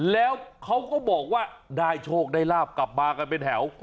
แล้วเขาก็บอกว่าได้โชคได้ลาบกลับมากันเป็นแถว